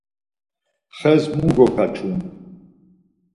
Xes mu gokaçun?